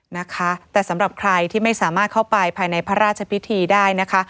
นะคะแต่สำหรับใครที่ไม่สามารถเข้าไปภายในพระราชพิธีได้นะคะ